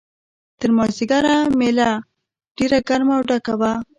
تر مازیګره مېله ډېره ګرمه او ډکه وه.